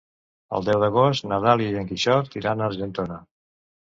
El deu d'agost na Dàlia i en Quixot iran a Argentona.